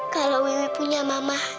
kalau wiwi punya mama